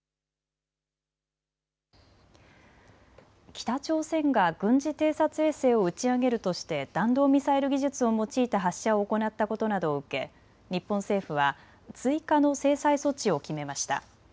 北朝鮮が軍事偵察衛星を打ち上げるとして弾道ミサイル技術を用いた発射を行ったことなどを受け日本政府は追加の制裁措置を決めました。